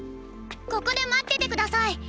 ここで待ってて下さい。